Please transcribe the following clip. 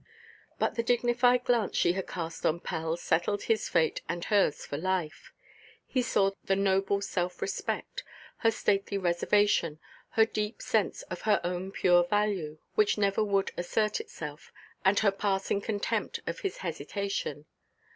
But the dignified glance she had cast on Pell settled his fate and hers for life. He saw her noble self–respect, her stately reservation, her deep sense of her own pure value (which never would assert itself), and her passing contempt of his hesitation.